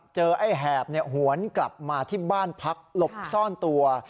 ไอ้แหบหวนกลับมาที่บ้านพักหลบซ่อนตัว